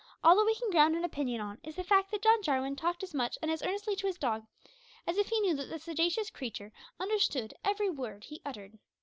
All that we can ground an opinion on is the fact that John Jarwin talked as much and as earnestly to his dog as if he knew that that sagacious creature understood every word he uttered.